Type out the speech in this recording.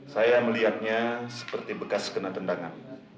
saya melihatnya seperti bekas kena tendangan